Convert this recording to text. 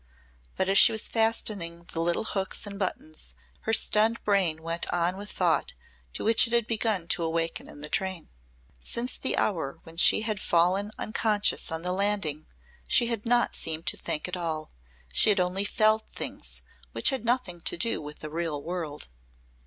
But as she was fastening the little hooks and buttons her stunned brain went on with the thought to which it had begun to awaken in the train. Since the hour when she had fallen unconscious on the landing she had not seemed to think at all. She had only felt things which had nothing to do with the real world.